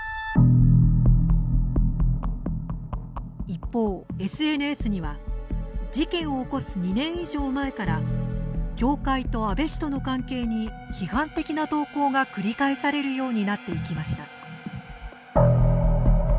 一方、ＳＮＳには事件を起こす２年以上前から教会と安倍氏との関係に批判的な投稿が繰り返されるようになっていきました。